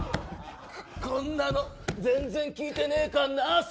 こんなの全然きいてねえかんな